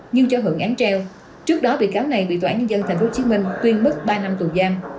nhưng cho hưởng án treo trước đó bị cáo này bị tòa án nhân dân tp hcm tuyên mức ba năm tù giam